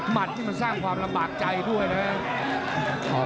นี่มันสร้างความลำบากใจด้วยนะ